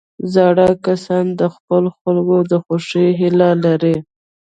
زاړه کسان د خپلو خلکو د خوښۍ هیله لري